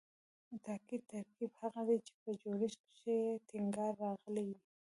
تاکیدي ترکیب هغه دﺉ، چي په جوړښت کښي ئې ټینګار راغلی یي.